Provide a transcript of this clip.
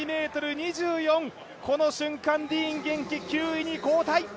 ８２ｍ２４、この瞬間、ディーン元気、９位に後退。